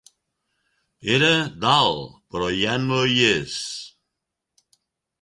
Era dalt, però ja no hi és.